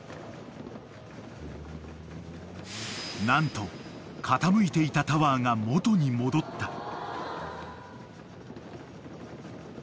［何と傾いていたタワーが元に戻った］